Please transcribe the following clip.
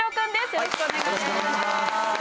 よろしくお願いします。